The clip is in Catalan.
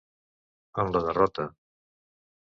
En la derrota: